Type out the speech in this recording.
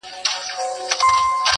o تر وېش ئې په چور خوشاله دئ.